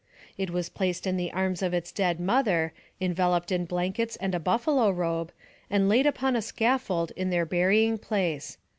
It was placed in the arms of its dead mother, enveloped in blankets and a buffalo robe, and laid upon a scaffold in their bury ing pi ace.